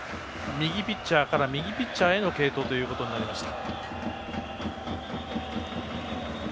右ピッチャーから右ピッチャーへの継投ということになりました。